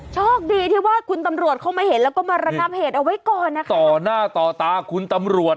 โชคดีที่ว่าคุณตำรวจเข้ามาเห็นแล้วก็มาระงับเหตุเอาไว้ก่อนนะคะต่อหน้าต่อตาคุณตำรวจ